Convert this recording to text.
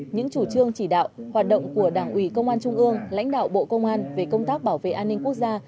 những chủ trương chỉ đạo hoạt động của đảng ủy công an trung ương lãnh đạo bộ công an về công tác bảo vệ an ninh quốc gia